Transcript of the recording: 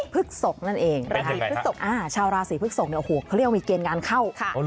พึกศพนั่นเองนะครับชาวราศิพึกศพโอ้โหเขาเรียกว่ามีเกณฑ์งานเข้า